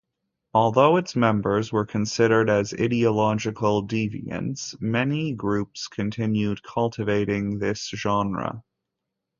Although its members were considered as ideological deviants, many groups continued cultivating this genre.